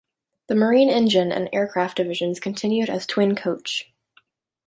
The marine-engine and aircraft divisions continued as Twin Coach.